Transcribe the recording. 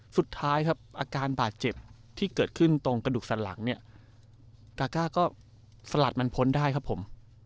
สุดท้ายครับอาการบาดเจ็บที่เกิดขึ้นตรงกระดูกสันหลังเนี่ยตาก้าก็สลัดมันพ้นได้ครับผม